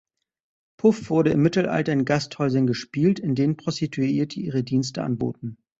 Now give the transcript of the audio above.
Puff wurde im Mittelalter in Gasthäusern gespielt, in denen Prostituierte ihre Dienste anboten.